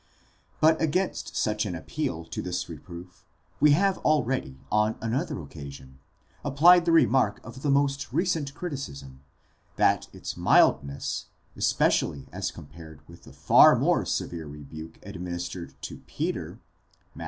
But against such an appeal to this reproof we have already, on another occasion, applied the remark of the most recent criticism, that its mildness, especially as compared with the far more severe rebuke administered to Peter, Matt.